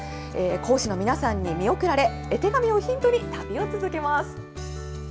講師の皆さんに見送られ、絵手紙をヒントに、旅を続けます。